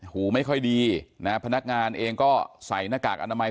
หูไม่ค่อยดีนะฮะพนักงานเองก็ใส่หน้ากากอนามัย